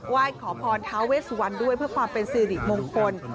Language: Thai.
ไหว้ขอพรท้าเวสวันด้วยเพื่อความเป็นสิริมงคล